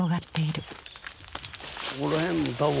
ここら辺も多分。